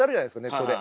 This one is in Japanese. ネットで。